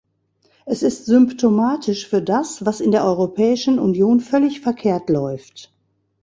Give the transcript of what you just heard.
Es ist symptomatisch für das, was in der Europäischen Union völlig verkehrt läuft.